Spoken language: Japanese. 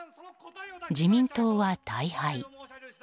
自民党は大敗。